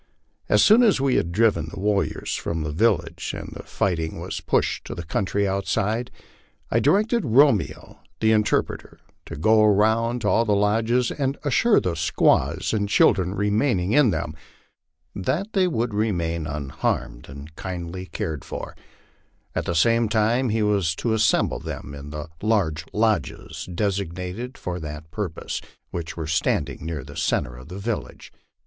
As soon as we had driven the warriors from the village, and the fight ing was pushed to the country outside, I directed Romeo," the interpreter, to go around to all the lodges and assure the squaws and children remaining in them that they would be unharmed and kindly cared for; at the same time he was to assemble them in the large lodges designated for that purpose, which were standing near the centre of the village.